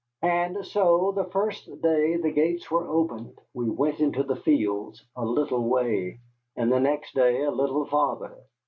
And so the first day the gates were opened we went into the fields a little way; and the next day a little farther.